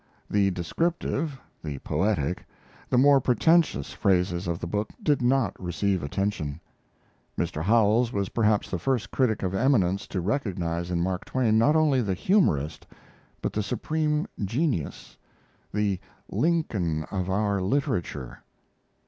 The descriptive, the poetic, the more pretentious phases of the book did not receive attention. Mr. Howells was perhaps the first critic of eminence to recognize in Mark Twain not only the humorist, but the supreme genius the "Lincoln of our literature."